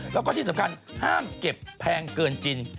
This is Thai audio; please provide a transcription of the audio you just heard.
แล้วก็ที่สำคัญห้ามเก็บแพงเกินจริง